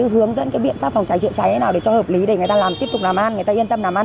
hướng dẫn cái biện pháp phòng cháy chữa cháy nào để cho hợp lý để người ta làm tiếp tục làm ăn người ta yên tâm làm ăn